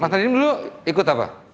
mas nadiem dulu ikut apa